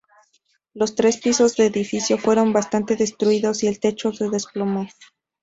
Los tres pisos del edificio fueron bastante destruidos y el techo se desplomó.